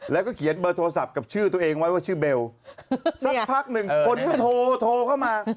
แล้วก็เขียนเบอร์โทรศัพท์กับชื่อตัวเองไว้ว่าชื่อเบลสักพักหนึ่งคนก็โทรเข้ามา